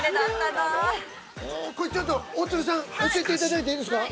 これ、ちょっと教えていただいていいですか？